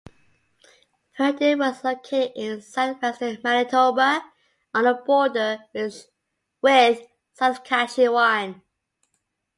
Virden was located in southwestern Manitoba, on the border with Saskatchewan.